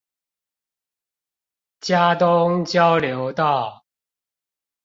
茄苳交流道